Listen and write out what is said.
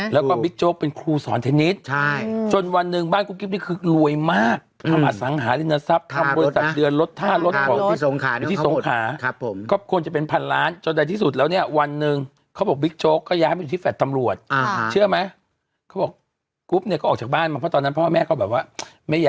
แล้วก็บิ๊กโจ๊กเป็นครูสอนเทนนิสจนวันหนึ่งบ้านกุ๊กกิ๊บนี่คือรวยมากทำอสังหารินทรัพย์ทำบริษัทเดือนลดค่ารถของอยู่ที่สงขาผมก็ควรจะเป็นพันล้านจนใดที่สุดแล้วเนี่ยวันหนึ่งเขาบอกบิ๊กโจ๊กก็ย้ายไปอยู่ที่แฟลต์ตำรวจเชื่อไหมเขาบอกกรุ๊ปเนี่ยก็ออกจากบ้านมาเพราะตอนนั้นพ่อแม่ก็แบบว่าไม่อยาก